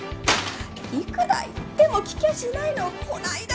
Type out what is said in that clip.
いくら言っても聞きゃしないのをこないだ